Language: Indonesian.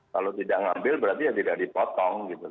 kalau tidak ngambil berarti ya tidak dipotong gitu